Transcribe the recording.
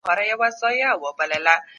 له افراط څخه ډډه وکړئ.